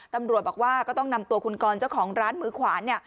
ตำรวจบอกว่าก็ต้องนำตัวคุณกรเจ้าของร้านมือขวาน